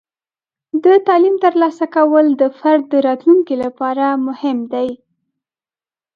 د تعلیم ترلاسه کول د فرد د راتلونکي لپاره مهم دی.